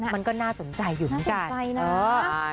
มันก็น่าสนใจอยู่นั้นกันน่าสนใจนะ